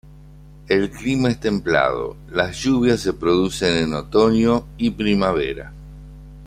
El clima es templado; las lluvias se producen en otoño y primavera.